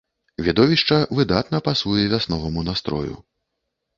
Відовішча выдатна пасуе вясноваму настрою.